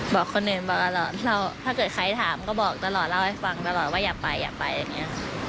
บอกคนอื่นบอกตลอดถ้าเกิดใครถามก็บอกตลอดเล่าให้ฟังตลอดว่าอย่าไปอย่าไปอย่างนี้